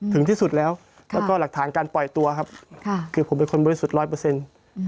ถึงที่สุดแล้วแล้วก็หลักฐานการปล่อยตัวครับค่ะคือผมเป็นคนบริสุทธิ์ร้อยเปอร์เซ็นต์